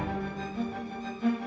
beberapa tahun lagisu